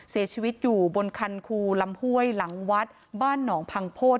เสียชีวิตอยู่บนคันคูลำห้วยหลังวัดบ้านหนองพังโพธิ